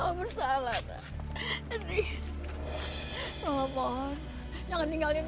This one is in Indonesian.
ngapain sih di sini